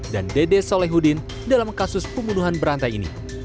dan dede solehudin dalam kasus pembunuhan berantai ini